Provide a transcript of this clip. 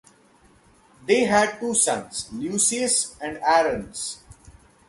They had two sons, Lucius and Arruns.